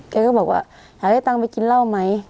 แกก็บอกว่าหาได้ตังค์ไปกินเหล้าไหม